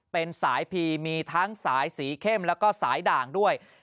เป็นสายพีมีทั้งสายสีเข้มแล้วก็สายด่างด้วย